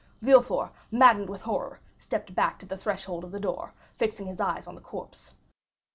Villefort, maddened with horror, stepped back to the threshhold of the door, fixing his eyes on the corpse.